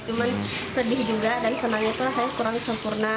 cuman sedih juga dan senangnya itu saya kurang sempurna